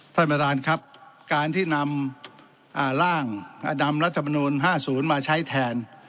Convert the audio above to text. ท่านบรรดารครับการที่นำอ่าร่างอ่านำรัฐมนูญห้าศูนย์มาใช้แทน